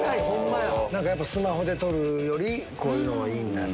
やっぱスマホで撮るよりこういうのがいいんだ。